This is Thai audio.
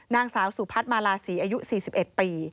นางสาวสุพัฒน์มาลาศรีอายุ๔๑ปี